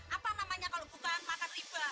apa namanya kalau bukan makan riba